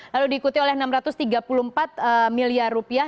lalu diikuti oleh enam ratus tiga puluh empat miliar rupiah